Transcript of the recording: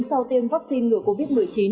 sau tiêm vaccine ngừa covid một mươi chín